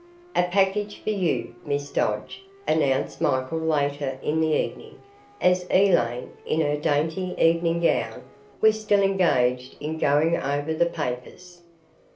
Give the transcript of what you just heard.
"A package for you, Miss Dodge," announced Michael later in the evening as Elaine, in her dainty evening gown, was still engaged in going over the papers.